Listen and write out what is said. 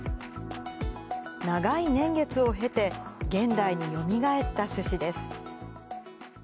長い年月を経て、現代によみがえった種子です。